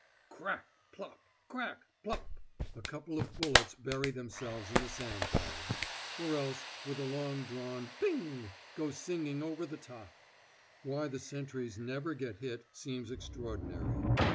'Crack plop.' 'Crack plop.' A couple of bullets bury themselves in the sand bags, or else with a long drawn 'ping' go singing over the top. Why the sentries never get hit seems extraordinary.